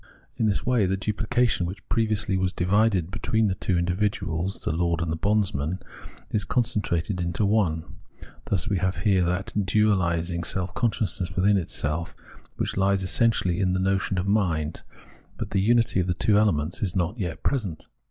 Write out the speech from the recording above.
In this way the dupUcation, which previously was divided between two individuals, the lord and the bondsman, is concentrated into one. Thus we have here that duahsing of self consciousness within itself, which lies essentially in the notion of mind ; but the tmity of the two elements is not yet present.